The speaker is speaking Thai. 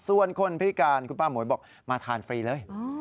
ส่วนคนพิการคุณป้าหมวยบอกมาทานฟรีเลย